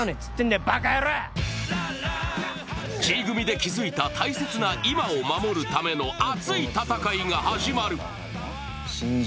Ｇ組で築いた大切な青春を守るための熱い戦いが始まる。